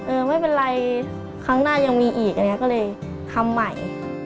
ไม่เป็นไรครั้งหน้ายังมีอีกอันนี้ก็เลยทำใหม่